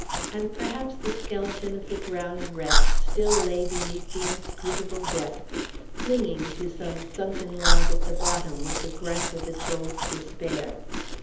And perhaps the skeleton of the drowned wretch still lay beneath the inscrutable depth, clinging to some sunken log at the bottom with the gripe of its old despair.